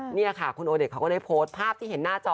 นี่ค่ะคุณโอเดชเขาก็ได้โพสต์ภาพที่เห็นหน้าจอ